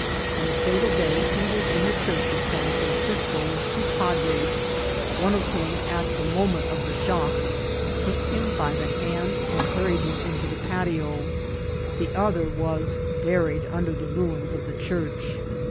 On the fatal day he was in the Church of San Francisco with two padres, one of whom, at the mo ment of the shock, took him by the hand and hurried him into the patio ; the other was buried under the ru ins of the church.